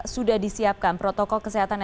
sudah disiapkan protokol kesehatan